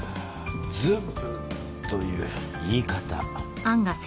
ズブという言い方。